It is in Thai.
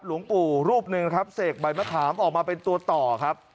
หลวงปู่รูปหนึ่งนะครับเสกใบมะขามออกมาเป็นตัวต่อครับ